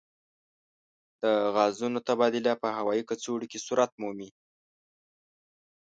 د غازونو تبادله په هوايي کڅوړو کې صورت مومي.